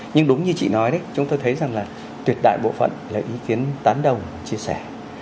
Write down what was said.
nhưng đúng như chị nói đấy chúng tôi thấy rằng là tuyệt đại bộ phận lấy ý kiến tán đồng và chia sẻ